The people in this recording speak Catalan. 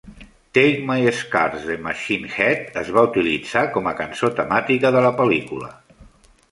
"Take My Scars" de Machine Head es va utilitzar com a cançó temàtica de la pel·lícula.